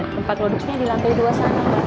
tempat produksinya di lantai dua sana